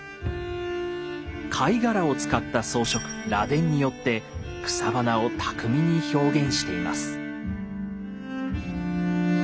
貝殻を使った装飾「螺鈿」によって草花を巧みに表現しています。